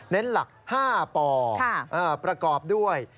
เน้นหลัก๕ปอประกอบด้วย